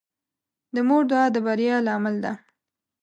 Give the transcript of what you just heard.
د مور دعا د بریا لامل ده.